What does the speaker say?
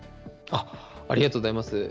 ありがとうございます。